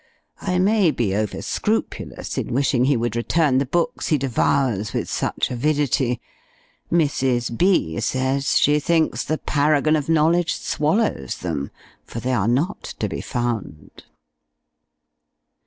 I may be over scrupulous in wishing he would return the books he devours with such avidity: Mrs. B. says, she thinks, the paragon of knowledge swallows them; for they are not to be found."